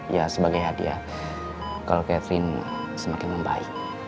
ya sebagai hadiah kalau catherine semakin membaik